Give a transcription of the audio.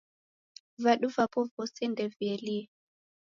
Vadu vapo vose ndevielie.